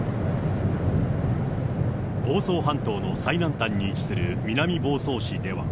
房総半島の最南端に位置する南房総市では。